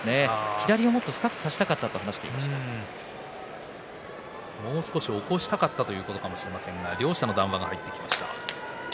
左をもっと深く差したかったともう少し起こしたかったということかもしれませんが両者の談話が入ってきました。